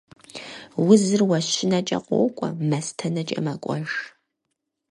Узыр уэщынэкӀэ къокӀуэ, мастэнэкӀэ мэкӀуэж.